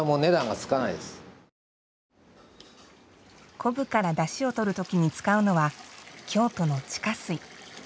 昆布からだしをとる時に使うのは京都の地下水。